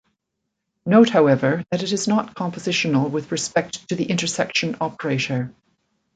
Note however that it is not compositional with respect to the intersection operator.